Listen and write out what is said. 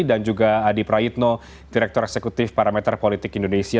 dan juga adi prayitno direktur eksekutif parameter politik indonesia